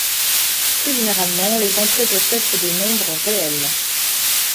Plus généralement, les entrées peuvent être des nombres réels.